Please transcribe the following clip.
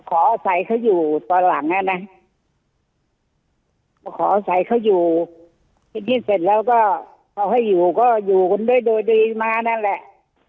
ขออาศัยเขาอยู่ตอนหลังอ่ะนะมาขออาศัยเขาอยู่ทีนี้เสร็จแล้วก็เอาให้อยู่ก็อยู่กันด้วยโดยดีมานั่นแหละ